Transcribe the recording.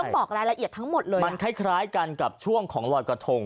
คือต้องบอกรายละเอียดทั้งหมดเลยมันคล้ายคล้ายกันกับช่วงของรอยกระทง